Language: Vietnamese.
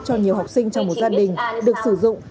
cho nhiều học sinh trong một gia đình được sử dụng